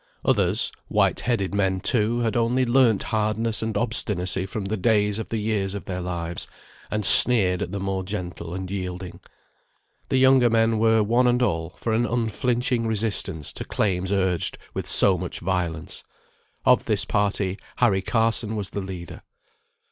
Others, white headed men too, had only learnt hardness and obstinacy from the days of the years of their lives, and sneered at the more gentle and yielding. The younger men were one and all for an unflinching resistance to claims urged with so much violence. Of this party Harry Carson was the leader.